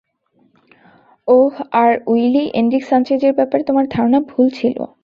ওহ, আর, Willy, Enrique Sanchez এর ব্যাপারে তোমার ধারণা ভুল ছিল।